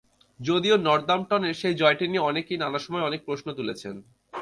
যদিও নর্দাম্পটনের সেই জয়টি নিয়ে অনেকেই নানা সময়ে অনেক প্রশ্ন তুলেছেন।